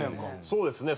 そうですね。